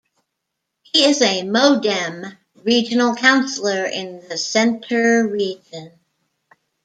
He is a MoDem regional councillor in the Centre region.